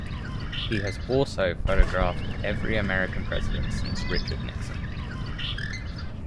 He has also photographed every American president since Richard Nixon.